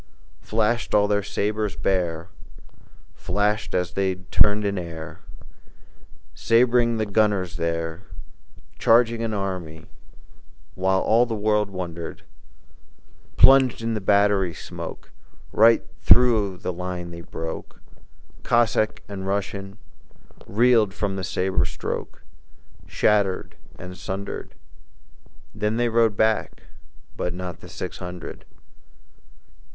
Flashed all their sabres bare, Flashed as they turned in air, Sab'ring the gunners there, Charging an army, while All the world wondered: Plunging in the battery smoke, Right through the line they broke; Cossack and Russian Reeled from the sabre stroke Shattered and sundered. Then they rode back, but not Not the six hundred.